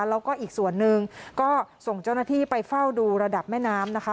แล้วก็อีกส่วนหนึ่งก็ส่งเจ้าหน้าที่ไปเฝ้าดูระดับแม่น้ำนะคะ